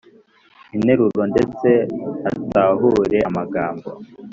interuro ndetse atahure amagambo